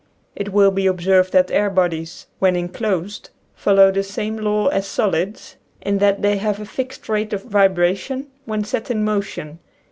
It will be observed that air bodies when inclosed fol low the same law as solids in that they have a fixed rate of vibration when set in motion.